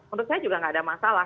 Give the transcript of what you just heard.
menurut saya juga nggak ada masalah